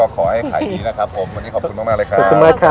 โอเคก็ขอให้ขายดีนะครับ